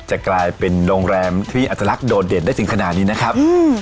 จะกลายเป็นโรงแรมที่อัตลักษณ์โดดเด่นได้ถึงขนาดนี้นะครับ